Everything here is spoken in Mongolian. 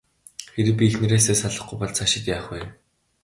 Хэрэв би эхнэрээсээ салахгүй бол цаашид яах вэ?